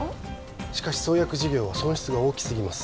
しかし創薬事業は損失が大きすぎます